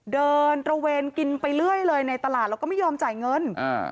เดินตระเวนกินไปเรื่อยเลยในตลาดแล้วก็ไม่ยอมจ่ายเงิน